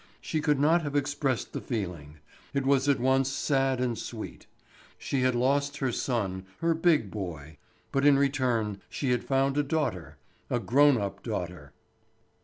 She could not have expressed the feeling; it was at once sad and sweet. She had lost her son, her big boy, but in return she had found a daughter, a grown up daughter.